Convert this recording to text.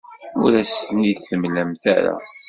Ur as-ten-id-temlamt ara.